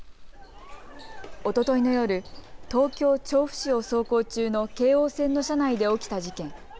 おとといの夜、東京調布市を走行中の京王線の車内で起きた事件。